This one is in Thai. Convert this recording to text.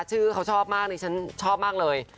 ชื่อเขาชอบมากดิฉันชอบมากเลย